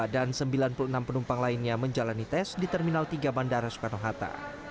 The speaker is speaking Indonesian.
sembilan puluh enam penumpang lainnya menjalani tes di terminal tiga bandara soekarno hatta